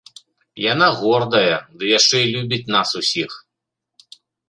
Яна гордая, ды яшчэ і любіць нас усіх.